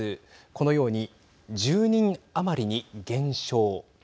このように、１０人余りに減少。